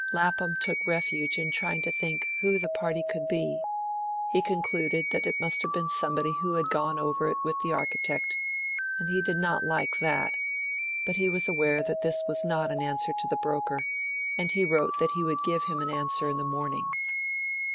Lapham took refuge in trying to think who the party could be; he concluded that it must have been somebody who had gone over it with the architect, and he did not like that; but he was aware that this was not an answer to the broker, and he wrote that he would give him an answer in the morning.